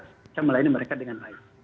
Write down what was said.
bisa melayani mereka dengan baik